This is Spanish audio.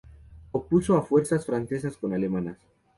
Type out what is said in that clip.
Opuso a fuerzas francesas con alemanas.